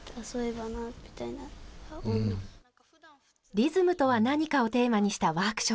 リズムとは何かをテーマにしたワークショップ。